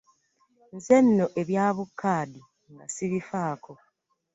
Nze nno ebya bu kkaadi nga sibifaako.